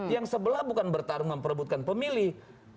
yang sebelah bukan bertarung memperebutkan pemilih